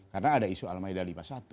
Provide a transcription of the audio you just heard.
karena ada isu al maidah lima puluh satu